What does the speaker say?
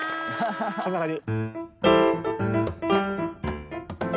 こんな感じ。